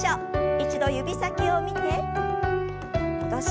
一度指先を見て戻します。